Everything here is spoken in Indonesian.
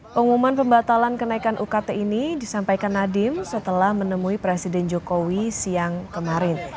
pengumuman pembatalan kenaikan ukt ini disampaikan nadiem setelah menemui presiden jokowi siang kemarin